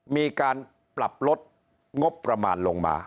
มีการปรับลดงบประมาณลงมา